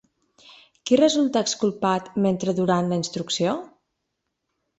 Qui resta exculpat mentre durant la instrucció?